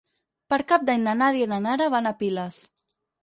Per Cap d'Any na Nàdia i na Nara van a Piles.